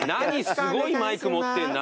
すごいマイク持ってんな